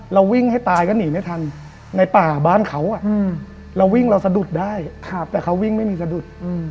เราวิ่งให้ตายก็หนีไม่ทันในป่าบ้านเขาเราวิ่งเราสะดุดได้แต่เขาวิ่งไม่มีสะดุด